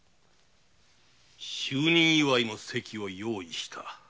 就任祝いの席を用意した。